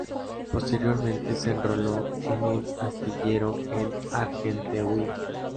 Posteriormente se enroló en un astillero en Argenteuil.